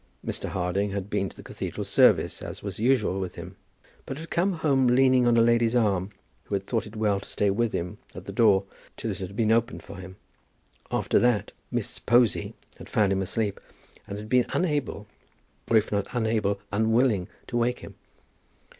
Mr. Harding had been to the cathedral service, as was usual with him, but had come home leaning on a lady's arm, who had thought it well to stay with him at the door till it had been opened for him. After that "Miss Posy" had found him asleep, and had been unable, or if not unable, unwilling, to wake him.